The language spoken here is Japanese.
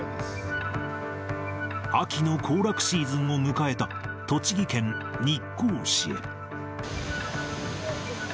秋の行楽シーズンを迎えた栃木県日光市へ。